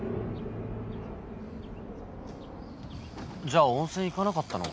じゃあ温泉行かなかったの？